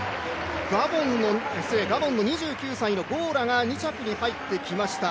ガボンの２９歳、ゴーラが２着に入ってきました。